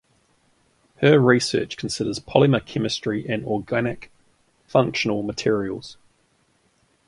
Her research considers polymer chemistry and organic functional materials.